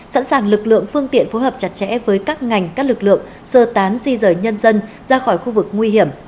sẵn sàng lực lượng phương tiện phối hợp chặt chẽ với các ngành các lực lượng sơ tán di rời nhân dân ra khỏi khu vực nguy hiểm